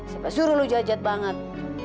sampai suruh lo jajat banget